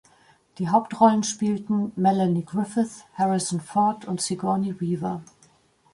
Die Hauptrollen spielten Melanie Griffith, Harrison Ford und Sigourney Weaver.